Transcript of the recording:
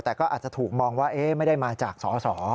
แต่ก็อาจจะถูกมองว่าไม่ได้มาจากสอสอ